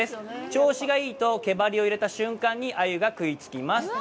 調子がいいと毛針を入れた瞬間に鮎が食いつきます。